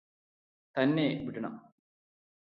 തന്നെ വിടണം